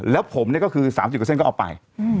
แล้วผมเนี่ยก็คือ๓๐กว่าเส้นก็เอาไป